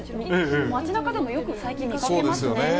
街なかでもよく最近見かけますよね。